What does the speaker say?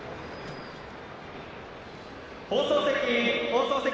放送席、放送席。